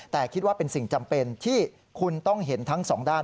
แต่คิดว่าเป็นสิ่งจำเป็นที่คุณต้องเห็นทั้งสองด้าน